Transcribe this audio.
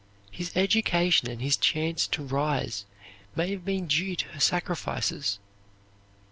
His education and his chance to rise may have been due to her sacrifices.